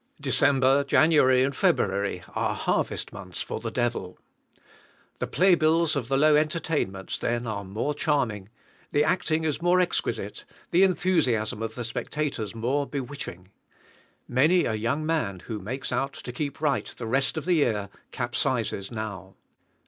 December, January, and February are harvest months for the devil. The play bills of the low entertainments then are more charming, the acting is more exquisite, the enthusiasm of the spectators more bewitching. Many a young man who makes out to keep right the rest of the year, capsizes now.